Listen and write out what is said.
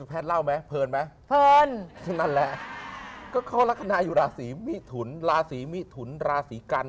แพทย์เล่าไหมเพลินไหมเพลินนั่นแหละก็เขาลักษณะอยู่ราศีมิถุนราศีมิถุนราศีกัน